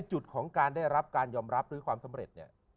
จุดของการได้รับการยอมรับหรือความสำเร็จเนี่ย